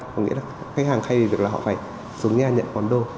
có nghĩa là khách hàng hay được là họ phải xuống nhà nhận món đồ